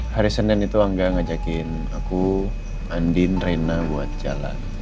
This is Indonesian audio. hari senin itu angga ngajakin aku andin reina buat jalan